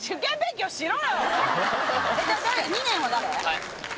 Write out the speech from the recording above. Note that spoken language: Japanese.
はい。